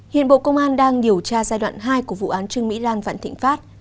hiện bộ công an đang điều tra giai đoạn hai của vụ án trương mỹ lan vạn thịnh pháp